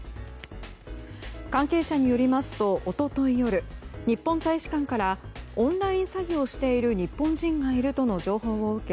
関係者によりますと一昨日夜、日本大使館からオンライン詐欺をしている日本人がいるとの情報を受け